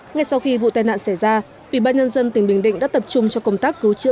ngay sau khi vụ tai nạn xảy ra ủy ban nhân dân tỉnh bình định đã tập trung cho công tác cứu chữa